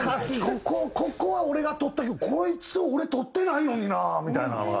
ここは俺が取ったけどこいつ俺取ってないのになみたいなんは。